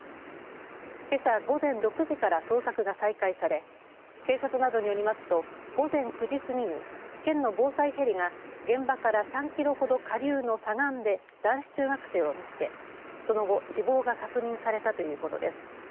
けさ午前６時から捜索が再開され警察などによりますと午前９時すぎに県の防災ヘリが現場から３キロほど下流の左岸で男子中学生を見つけその後、死亡が確認されたということです。